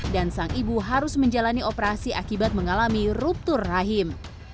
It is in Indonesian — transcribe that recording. dan sang ibu harus menjalani operasi akibat mengalami ruptur rahim